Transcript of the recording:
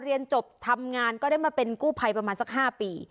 เรียนมามรัฐยมภายดาบ๖